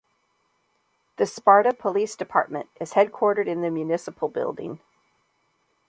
The Sparta Police Department is headquartered in the Municipal Building.